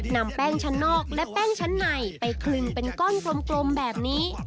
นำแป้งชั้นนอกและแป้งชั้นในไปคลึงเป็นก้อนกลมแบบนี้